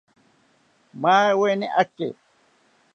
Maaweni aake